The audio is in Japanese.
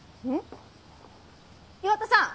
岩田さん！